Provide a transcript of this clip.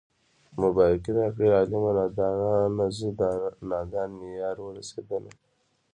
مبارکي راکړئ عالمه نادانه زه نادان مې يار ورسېدنه